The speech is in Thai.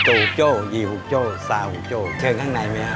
คุกโจ้ยิหุ้กโจ้สาหุ้กโจ้เชิงข้างในมั้ยครับ